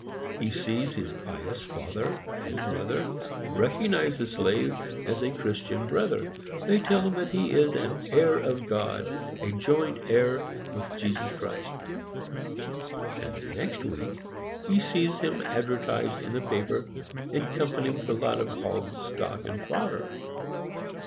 He sees his pious father and mother recognize the slave as a Christian brother; they tell him that he is an "heir of God, a joint heir with Jesus Christ;" and the next week he sees him advertised in the paper, in company with a lot of hogs, stock and fodder.